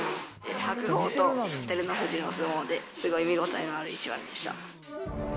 白鵬と照ノ富士の相撲で、すごい見応えのある一番でした。